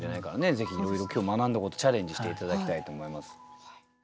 ぜひいろいろ今日学んだことチャレンジして頂きたいと思います。